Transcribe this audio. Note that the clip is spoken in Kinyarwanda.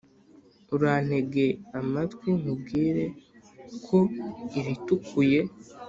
Urantege amatwi nkubwire ko iritukuye